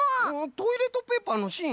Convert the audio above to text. トイレットペーパーのしん？